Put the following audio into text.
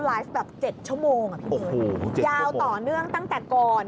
รายงานแบบ๗ชั่วโมงแย่ต่อเนื่องตั้งแต่ก่อน